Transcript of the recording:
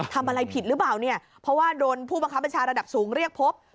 ทำอะไรผิดหรือเปล่าเนี่ยเพราะว่าโดนผู้บังคับบัญชาระดับสูงเรียกพบ